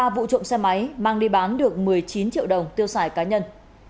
ba vụ trộm xe máy mang đi bán được một mươi chín triệu đồng tiêu xài cá nhân